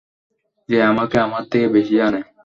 যে আমাকে আমার থেকে বেশি জানে।